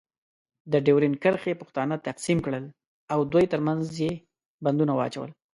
د ډیورنډ کرښې پښتانه تقسیم کړل. او دوی ترمنځ یې بندونه واچول.